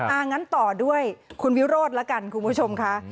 อ่างั้นต่อด้วยคุณวิวโรดละกันคุณผู้ชมค่ะ